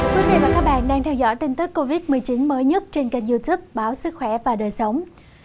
các bạn đang theo dõi tin tức covid một mươi chín mới nhất trên kênh youtube báo sức khỏe và đời sống